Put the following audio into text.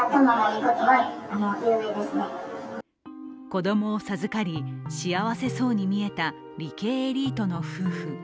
子供を授かり、幸せそうに見えた理系エリートの夫婦。